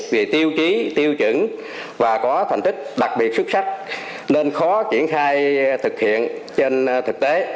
vì tiêu chí tiêu chuẩn và có thành tích đặc biệt xuất sắc nên khó triển khai thực hiện trên thực tế